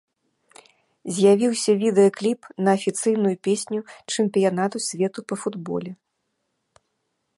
З'явіўся відэакліп на афіцыйную песню чэмпіянату свету па футболе.